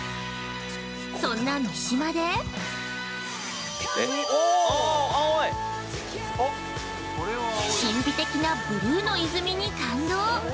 そんな三島で神秘的なのブルーの泉に感動！